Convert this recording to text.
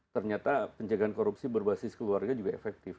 ternyata penjagaan korupsi berbasis keluarga juga efektif